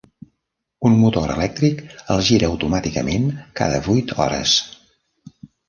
Un motor elèctric el gira automàticament cada vuit hores.